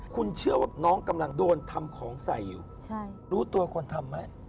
คุณเชื่อว่าน้องกำลังโดนทำของใส่อยู่รู้ตัวคนทำไหม